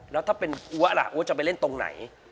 แล้วถ้าเป็นอัวล่ะอ้วจะไปเล่นตรงไหน